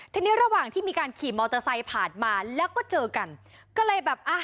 ทีนี้ระหว่างที่มีการขี่มอเตอร์ไซค์ผ่านมาแล้วก็เจอกันก็เลยแบบอ่ะ